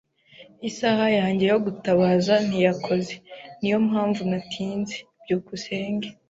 Isaha yanjye yo gutabaza ntiyakoze. Niyo mpamvu natinze. byukusenge